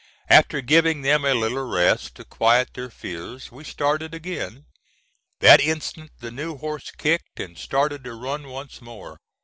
After giving them a little rest, to quiet their fears, we started again. That instant the new horse kicked, and started to run once more.